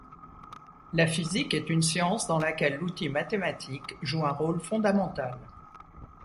La physique est une science dans laquelle l'outil mathématique joue un rôle fondamental.